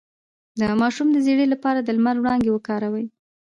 د ماشوم د ژیړي لپاره د لمر وړانګې وکاروئ